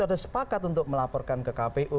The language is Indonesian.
ada sepakat untuk melaporkan ke kpu